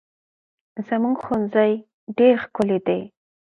زموږ ښوونځی ډېر ښکلی دی.